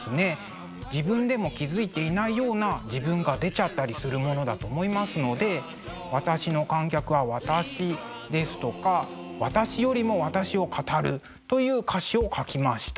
自分でも気付いていないような自分が出ちゃったりするものだと思いますので「私の観客は私です」とか「私よりも私を語る」という歌詞を書きました。